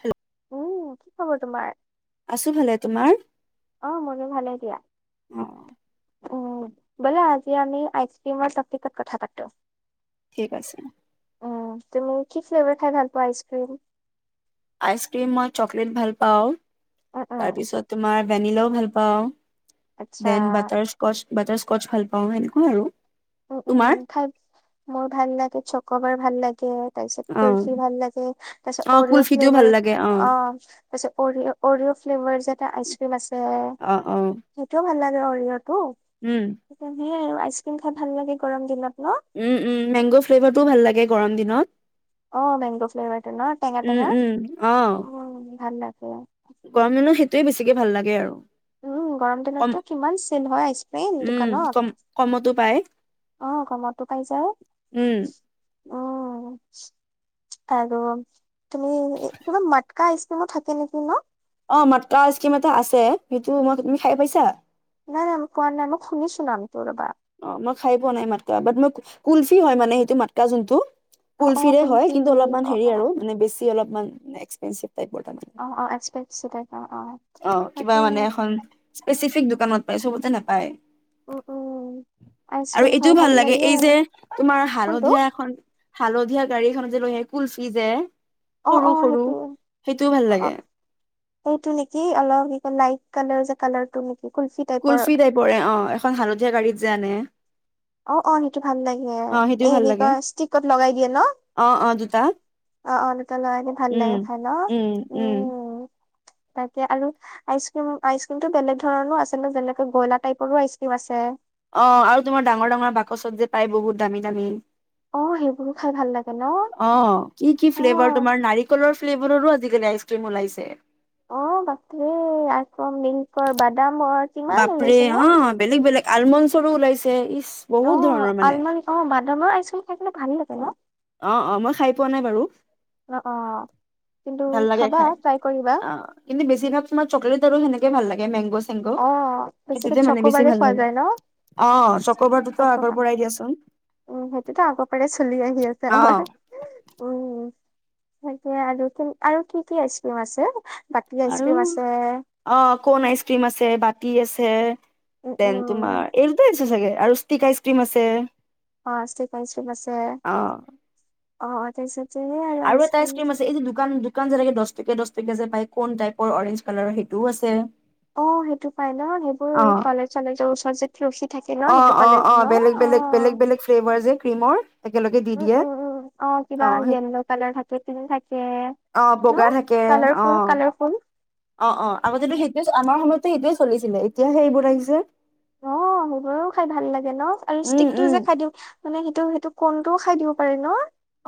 Hello, উম' কি খবৰ তোমাৰ? আছো ভালে তোমাৰ? অ' ময়ো ভালে দিয়া অ অহ' বোলা আজি আমি আইচক্ৰীমৰ টপিকত কথা পাতো। ঠিক আছে। অহ' তুমি কি ফ্লেভাৰ খাই ভাল পোৱা আইচক্ৰীম? আইচক্ৰীম মই চকলেট ভাল পাওঁ। উম, তাৰ উম, পিছত তোমাৰ ভেনিলাও ভাল পা পাওঁ। আচ্ছা। Then butterscotch. Butterscotch ভাল পাওঁ সেনেকুৱা আৰু। তোমাৰ উম-উম ভাল মোৰ ভাল লাগে চকোবাৰ ভাল লাগে। তাৰপিছত কুলফি অ ভাল লাগে তাৰ পিছত অ অৰিঅ' কুলফিটোও ভাল ফ্লেভাৰ লাগে অ তাৰপিছত অৰিঅ' অৰিঅ' ফ্লেভাৰৰ যে এটা আইচ ফেমাছ। অহ-অহ অৰিঅ'ত সেইটো। আৰু আইচক্ৰীম ভাল লাগে গৰম দিনত। ন? উম-উম মেংগ' ফ্লেভাৰটোও ভাল লাগে গৰম দিনত। অ মেংগো ফ্লেভাৰটো ন উম টেঙা-টেঙা উম অ অহ ভাল লাগ লা য়ে বেছিকে ভাল লাগে আৰু। উম গৰম কম দিনতটো কিমান চেল হয়, আইচক্ৰীম উম কম দোকানত কমতো পায় অহ' কমতো পাই উম যায়। উম আৰু তুমি কিবা মাটকা আইচকিমো থাকে নেকি ন। অহ' মাতকা আইস্কিম এটা আছে সেইটো মই তুমি খাই পাইছা। নাই নাই মই পোৱা নাই মোক শুনিছো নামটো ৰবা। অহ মই খাই পোৱা নাই মাতকা বাট মই কুলফি হয় মানে সেইটো মাতকা যোনটো। অ', অ', কুলফিৰে হয় শুনিছো, কিন্তু অলপমান অ', হেৰি আৰু মানে বেছি অলপমান এক্সপেনচিফ অহ-অহ এচপেচচি তাইপৰ অহ। অহ কিবা মানে এখন টিফিক দোকানত পায়, চবতে নাপায়। উম, উম। আৰু আইচক্ৰীম খাই এইটোও ভাল লাগে এই আৰু যে তোমাৰ কোনটো হালধীয়া এখন হালধীয়া গাড়ীখনত যে লৈ আহে, কুলফি যে। অহ সৰু অহ সৰু সেইটো সেইটোও ভাল লাগে অহ এইটো নেকি অলপ। লাইট কালাৰ যে কালাৰটো কুলফি টাইপৰ। কুল্ফি টাইপৰে অহ, এখন হালধীয়া গাড়ীত যে আনে। অহ অহ সেইটো ভাল লাগে। এ অ হে সেইটোও ভাল লাগে এনেকুৱা ষ্টিকত লগাই দিয়ে ন? অ অ দুটা অহ অহ দুটা লগাই দি ভাল উম লাগে খাই ন উম। তাকে আৰু আইচ ক্ৰীম আইচ ক্ৰীমতটো বেলেগ ধৰণো আছে ন যেনেকে গইলা টাইপৰো আইচক্ৰীম আছে। অহ আৰু তোমাৰ ডাঙৰ ডাঙৰ বাকচত যে পাই বহুত দামী দামী। অহ সেইবোৰো খাই ভাল লাগে। ন অহ কি কি অ ফ্লেভাৰ তোমাৰ নাৰিকলৰ ফ্লেভাৰৰো আজিকালি আইচক্ৰীম ওলাইছে। অহ বাকী আক লিংকৰ বাদ বাপৰে অহ বেলেগ বেলেগ আলমণ্ডছৰো ওলাইছে। ইচ বহুত অহ ধৰণৰ মানে আলমন অ বাদামৰ আইচক্ৰীম খাই কিন্তু ভাল লাগে ন? অহ অহ মই খাই পোৱা নাই বাৰু। অ অ কিন্তু ভাল লাগে খাবা খাই ট্ৰাই কৰিবা অহ ইনে বেছিভাগ তোমাৰ চকলেট আৰু সেনেকে [unintelligible] ভাল লাগে মেংগছ অ বেছিকে চকু বাৰে খোৱা লাগে যায় ন? অ [inaudible] চকবাৰটোতো আগৰ পৰাই দিয়াচোন সেইটোতো আগৰ পাৰ চলি আহ। আহি আছে অ আমাৰ। উম তাকে আৰু কি আৰু কি কি আইচক্ৰীম আছে? বাকী আৰু আইচক্ৰীম আছে অ কোন আইচক্ৰীম আছে। কি আছে। উম দেন তোমাৰ উম এই দুটাই আছে চাগে। আৰু ষ্টিক আইচ ক্ৰীম আছে। অ ষ্টিক আইচ ক্ৰীম আছে। অ অ [unintelligible] আৰু এটা আইচ আইচক্ৰীম ক্ৰীম আছে এইটো দোকান দোকান যেনেকে দছ টকীয়া দছ টকীয়া যে পায় কোন টাইপৰ অৰেঞ্জ কালাৰৰ, সেইটোও আছে। অ সেইটো পাই ন? সেইবোৰ অ এই কলেজ চলেজৰ ওচৰ যে [unintelligible] অ সেইটো অ কলেজ অ ন বেলেগ অ বেলেগ বেলেগ বেলেগ ফ্লেভাৰ যে ক্ৰীমৰ। একেলগে দি উম দিয়ে উ উম অ কিবা য়েলল কালাৰ থাকে ক থাকে অ বগা ন থাকে অ কালাৰফুল কালাৰফুল অ অ আগতে যটো সেইটোয়ে আমাৰ তে সেইটোয়ে চলিছিলে এতিয়া সেইবোৰ আহিছে অ সোবৰেো খাই ভাল লাগে ন আৰু উম ষ্টিকটো উম যে খাই দিওঁ মানে সেইটো সেইটো কোনটোও খাই দিব পাৰে ন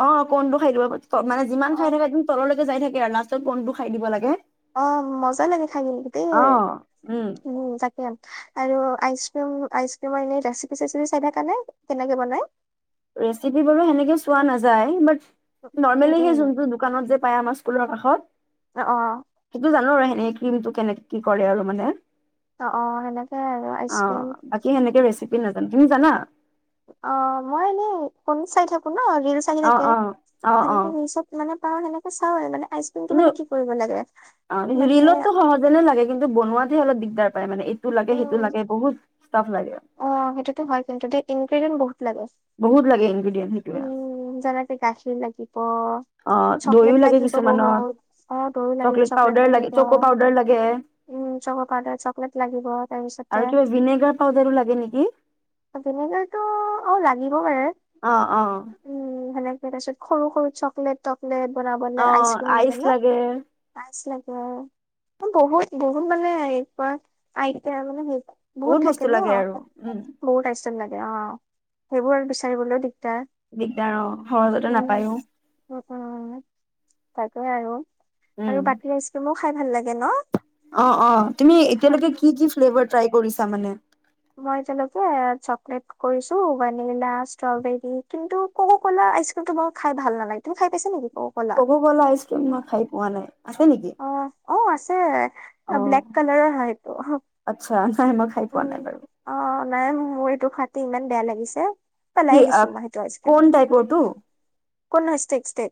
অ কোনটো খাই দিব মানে যিমান অ খাই থাকে তদ তললৈকে যাই থাকে কি আ লাষ্টত কনটো খাই দিব লাগে অ মজা লাগে থাকিদে অ উম উ জাকিয়াল আৰু আইছক্ৰিম আইছক্ৰিম এনেই ৰেচিপি চেচিপি ডাই থাকানে কেনেকৈ বনায় ৰেচিপি বাৰু সেনেকে চোৱা নাযায় বাট উম নৰ্মেলি হে উম যোনটো দোকানত যে পায় আমা কুলৰ কাষত অ অ সেইটো জানোৱেই এই ক্ৰীমটো কেনেকে কি কৰে আৰু মানে অ অ সেনেকে আৰু আইচ ক্ৰীম কি জানা অ মই এনে ফনি চাই থাকো অ ৰিলচ আহি অ থাকে অ অ অ সেনেকে ৰিল চব মানে কাৰণ সনেকে চাওঁ হয় মানে আইচক্ৰীমটো কিন্তু মানে কি কৰিব লাগে অ মানে ৰৰিলতো সহজে নে লাগে কিন্তু বনোৱাাত ে অলপগদাৰ প মানে সেইটো লাগে সেইটো উম লাগে বহুত ষ্টাফ লাগে অ সেইটোতো হয় কিন্তু ইনগ্ৰেডিয়েণ্ট বহুত লাগে বহত লাগে এি উম জনা তেেকা আছিল লাগি অ দৈও চকলেট লাগে লাগিব কিছুমানত বহুত অ গৰু লাগি চকলেট পাউদাৰ লাগে লাগিব চকো পাউদাৰ লাগে উম চক পাউদাৰ চকলেট লাগিব তাৰপিছতে আৰু কিবা ভিনেগাৰ পাউদাৰো লাগে নেকি ভিনেগাৰ টো অ লাগিব পাৰে আহ অ তাৰ পিছত সৰু সৰু চকলেট চকলেট াব অ আইচক্ৰ্ৰীম আইচ লাগে ন আইচ বহুত বহুত মানে এা আইতা মানে বহুত থাকে বস্তু ন লাগে আৰু উম বহুত আশম লাগে অ সেইবোৰ আৰু বিচাৰিবলৈ দিগদাৰ দিগদাৰ অ সহজতে উম নাপায়ো তাকো আৰু আৰু উম বাকীৰ আইচক্ৰীমৰ খাই ভাল লাগে ন অ অ তুমি এতিয়ালৈকে কি কি ফ্লেভাৰ ট্ৰাই কৰিছা মানে মই তেওঁলোকে চকলেট কৰিছো ভেনিলা ষ্ট্ৰবেৰী কিন্তু কক কলা আইচক্ৰীমটো মই খাই ভাল নালাগে তুমি খাই পাইছা নেকি কক' কলা ক'ব গলে আইচক্ৰিম নাখাই ওৱালে আছে নেকি অ অ আছে অ ব্লেক কালাৰৰ শাৰীটো আচ্ছা নাই মই খাই পোৱা নাই বাৰু নাই মোৰ এইটো ফাতি ইমান বেয়া লাগিছে পেলাই কি দিছো অহ মই সেইটো আইচক্ৰীম কোন তাইপৰটো কোন নহয় ষ্টেক ষ্টেক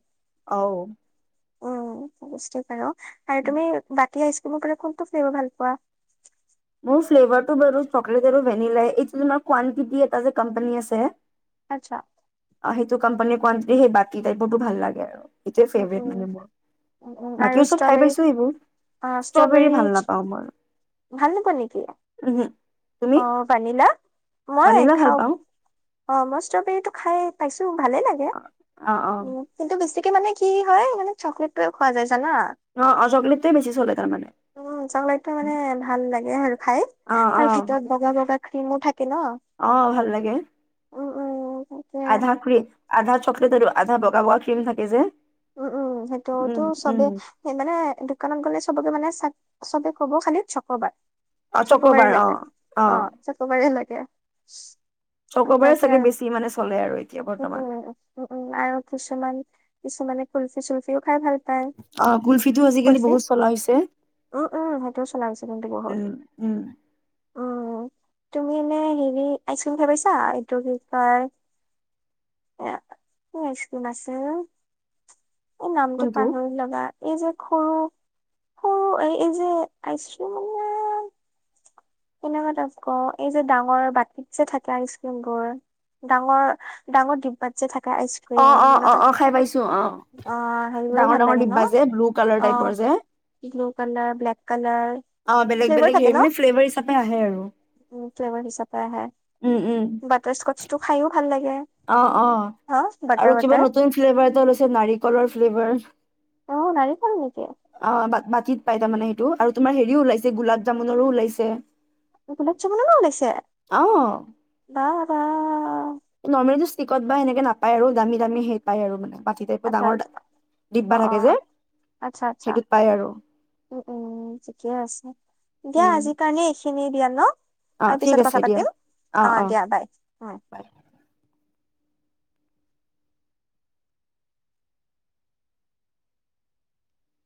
অহ উম বুষ্টে পাৰ আৰু তুমি বাক আইচক্ৰীম কোনটো ফ্লেভাৰ ভাল পোৱা মোৰ ফ্লেভাৰটো বাৰু চকলেত আৰু ভেনিলাই এইটো যে কোৱান্তিতি নামৰ যে কোম্পানী এটা আছে আচ্ছা অ সেইটো কোম্পানীৰ কোৱানিটি সেই বাটি টাইপৰতো ভাল লাগে আৰু এইটোৱে উম ফেভৰিট উম মানে মোৰ উম উম আৰু বাকি চব খাই ষ্ট্ৰবেৰী পাইছো সেইবোৰ ষ্ট্ৰবেৰী ভাল নাপাওঁ মই ভাল নোপোৱা নেকি উহু তুমি অ পানিলা মই ভানিলা ভাল খাও পাওঁ অ মই ষ্ট্ৰবেৰীটো খায়ে ভালে লাগে অ অ কিন্তু বেছি মানে কি হয় মানে চকলেটোয়ে খোৱা যায় অ অ চকলেটটোৱে বেছি চলে তাৰমানে উম চকলেতটো মানে ভাল লাগে আৰু খাই তাৰ ক্ৰীমো থাকে ন। অহ ভাল লাগে উম, উম, তাকে আধা ক্ৰীম আধা চকলেট আধা বগা বগা ক্ৰীম থাকে যে উম উম সেইটোতো উম উম চবেই মানে দোকানত গ'লে চবকে মানে আচলতে কব খালি চক'বাৰ অ চকবাৰী চকবাৰ অ লাগে অ চকবাৰী লাগে [inaudible] চকবাৰে চাগে বেছি মানে চলে আৰু এতিয়া উ বৰ্তমান উম উ উম আৰু কিছুমান মানে কুলফি চুলফিও খাই ভাল পায়। আহ কুল্ফিটো আজিকালি কুলফি বহুত চলা হৈছে উম, উম, সেইটোও চলা উম উম অ তুমি এনে হেৰি আইচক্ৰীম খাই পাইছা এইটো কি কয় কি আইচক্ৰীম আছিল এই নামটো কোনটো পাহৰি লবা- এই যে সৰু সৰু এই এই যে আইচক্ৰীম কেনেকুৱা তাত ক এই যে ডাঙৰ বাটিত যে থাকে আইচ ক্ৰীম বোৰ ডাঙৰ ডাঙৰ দিবাট যে থাকে অ আইচক্ৰীম অ মানে অ তাত অ খাই পাইছো অ অ হেৰিবোৰো ডাঙৰ ভাল ডাঙৰ লাগে ন ডিব্বা যে ব্লু কালাৰ অ টাইপৰ যে ব্লু কালাৰ ব্লেক কালাৰ অ বেলেগ ফ্লেভাৰ বেলেগ থাকে হেৰি ন মানে ফ্লেভাৰ হিচাপ ফ্লেভাৰ হিচাপে আহে উম উম বাটাৰস্কটচ টো খায়ো অ অ বাটাৰ আৰু কিবা বাটাৰ নতুন ফ্লেভাৰ এটা লৈছে নাৰিকলৰ ফ্লেভাৰ অ নাৰিকল নেকি কীট পাই তাৰমানে সেইটো আৰু তোৰ হেৰিও ওলাইছে গোলাপ জামুনৰো ওলাইছে গোলাপ জামুনৰো ওলাইছে অ বা বা নৰ্মেলিটো ষ্টিকত বা এনেকে নাপায় আৰু দামী দামী হেৰিত পাই আৰু মানে বাতি টাইপৰ আচ্ছা ডাঙৰ আচ্ছা অ ডিব্বা অ থাকে যে আচ্ছা আচ্ছা সেইটোত পায় আৰু উম উম ঠিকে আছে দিয়া উম আজি কাৰণে খিনিয়ে দিয়া ন অ আৰু ঠিক পিছত কথা আছে দিয়া পাতিম অ দিয়া বাই উ